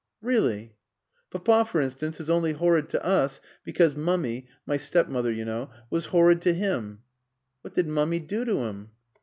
"Really?" "Papa, for instance, is only horrid to us because Mummy my stepmother, you know was horrid to him." "What did Mummy do to him?"